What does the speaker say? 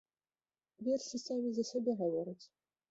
Вершы самі за сябе гавораць.